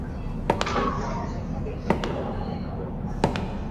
thelathini na mbili ingawa hali halisi ilikuwa nchi lindwa chini ya